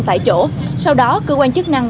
tại chỗ sau đó cơ quan chức năng